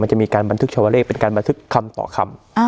จะมีการบันทึกชาวเลขเป็นการบันทึกคำต่อคำ